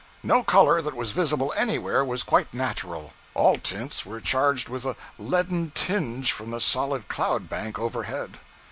No color that was visible anywhere was quite natural all tints were charged with a leaden tinge from the solid cloud bank overhead.